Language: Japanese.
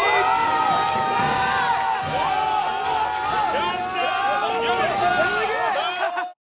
やった！